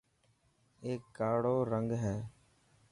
اي ڪاڙو رنگ هي.